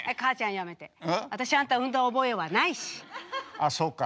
あっそうか。